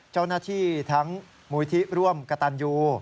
เจ้าหน้าที่ทั้งมูลที่ร่วมกระตันยู